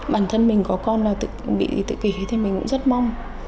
bản thân mình có con là bị tự kỷ thì mình cũng rất mong